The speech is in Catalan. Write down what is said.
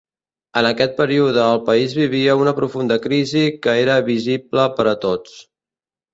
En aquest període el país vivia una profunda crisi que era visible per a tots.